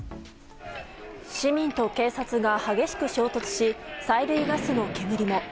市民と警察が激しく衝突し催涙ガスの煙も。